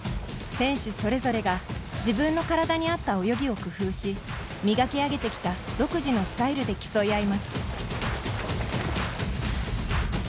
選手それぞれが自分の体にあった泳ぎを工夫し磨き上げてきた独自のスタイルで競い合います。